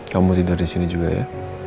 kamu tidur disini juga ya